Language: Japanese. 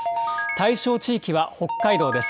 対象地域は北海道です。